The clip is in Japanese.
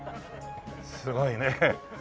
すごいね。